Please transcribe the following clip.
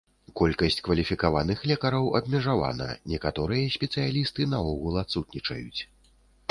Колькасць кваліфікаваных лекараў абмежавана, некаторыя спецыялісты наогул адсутнічаюць.